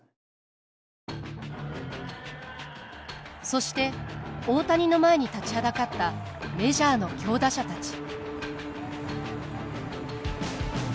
そして大谷の前に立ちはだかったメジャーの強打者たち。